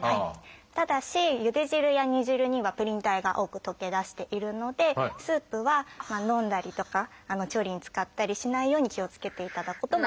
ただしゆで汁や煮汁にはプリン体が多く溶け出しているのでスープは飲んだりとか調理に使ったりしないように気をつけていただくことも大切。